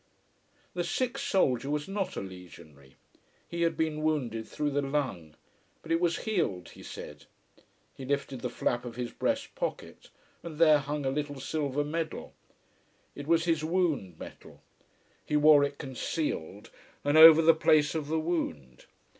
The sick soldier was not a legionary. He had been wounded through the lung. But it was healed, he said. He lifted the flap of his breast pocket, and there hung a little silver medal. It was his wound medal. He wore it concealed: and over the place of the wound.